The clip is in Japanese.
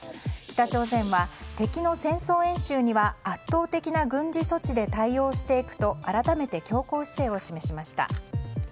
北朝鮮は、敵の戦争演習には圧倒的な軍事措置で対応していくと改めて強硬姿勢を示しました。